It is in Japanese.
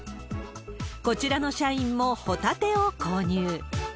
こちらの社員もホタテを購入。